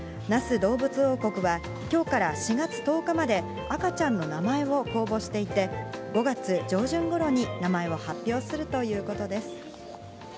那須どうぶつ王国は、きょうから４月１０日まで、赤ちゃんの名前を公募していて、５月上旬ごろに名前を発表するということです。